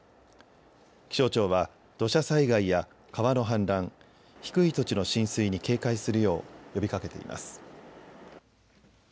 気象庁は土砂災害や川の氾濫、低い土地の浸水に警戒するよう呼びかけています。